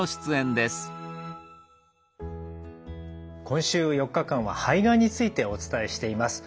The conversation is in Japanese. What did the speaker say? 今週４日間は肺がんについてお伝えしています。